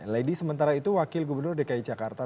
lady sementara itu wakil gubernur dki jakarta